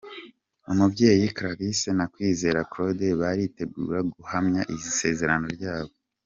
Umubyeyi Clarisse na Kwizigera Claude baritegura guhamya isezerano ryabo.